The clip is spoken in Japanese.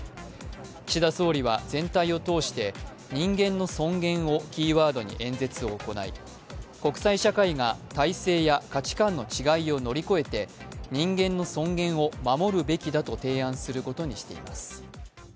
岸田総理は全体を通して人間の尊厳をキーワードに演説を行い国際社会が体制や価値観の違いを乗り越えて人間の尊厳を守るべきだと提案することにしています。